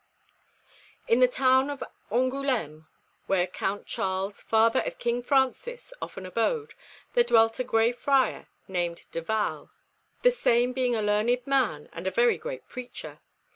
(1) In the town of Angoulême, where Count Charles, father of King Francis, often abode, there dwelt a Grey Friar named De Vallès, (2) the same being a learned man and a very great preacher.